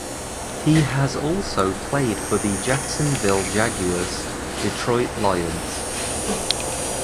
He has also played for the Jacksonville Jaguars, Detroit Lions.